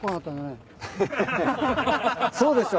そうでしょ？